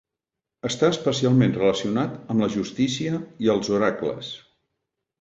Està especialment relacionat amb la justícia i els oracles.